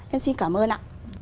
em xin cảm ơn ạ